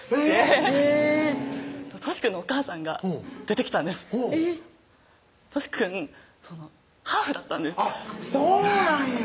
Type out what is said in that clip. えぇっ！としくんのお母さんが出てきたんですとしくんハーフだったんですそうなんや！